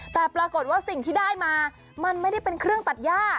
แต่ปรากฏว่าสิ่งที่ได้มามันไม่ได้เป็นเครื่องตัดย่า